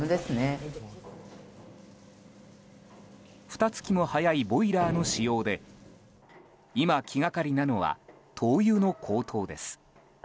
ふた月も早いボイラーの使用で今、気がかりなのは灯油の高騰です。